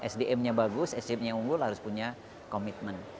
sdm nya bagus sdm nya unggul harus punya komitmen